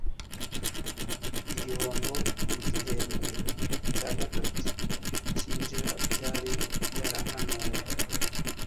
Igihombo mu gihembwe cya gatatu cyinjira byari byarahanuwe.